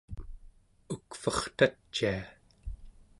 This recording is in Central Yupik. ukvertacia